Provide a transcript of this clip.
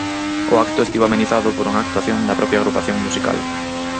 O acto estivo amenizado por unha actuación da propia agrupación musical.